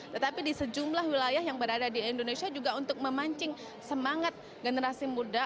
tetapi di sejumlah wilayah yang berada di indonesia juga untuk memancing semangat generasi muda